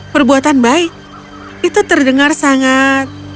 perbuatan baik itu terdengar sangat